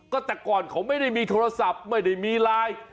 ก็แต่ก่อนเขาไม่ได้มีโทรศัพท์ไม่ได้มีไลน์